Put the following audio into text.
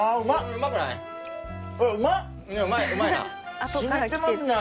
うまいな。